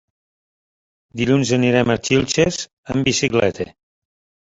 Dilluns anirem a Xilxes amb bicicleta.